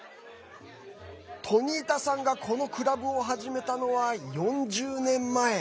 トニータさんが、このクラブを始めたのは４０年前。